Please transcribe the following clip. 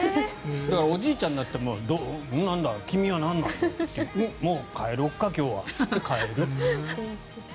だから、おじいちゃんになってなんだ、君は何なんだもう帰ろうか今日はといって帰ると。